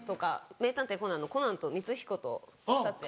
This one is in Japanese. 『名探偵コナン』のコナンと光彦と２つやります。